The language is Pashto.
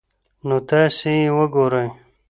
نو تاسي ئې وګورئ